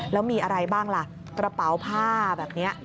แล้วมีอะไรบ้างล่ะกระเป๋าผ้าแบบนี้